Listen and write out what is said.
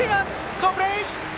好プレー！